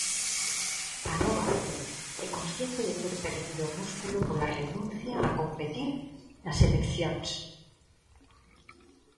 Anova é consciente de ter perdido músculo pola renuncia a competir nas eleccións.